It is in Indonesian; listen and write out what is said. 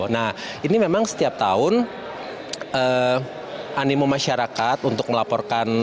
nah ini memang setiap tahun animo masyarakat untuk melaporkan